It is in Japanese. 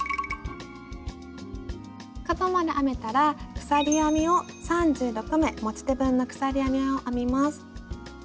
角まで編めたら鎖編みを３６目持ち手分の鎖編みを編みます。